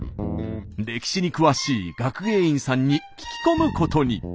歴史に詳しい学芸員さんに聞き込むことに。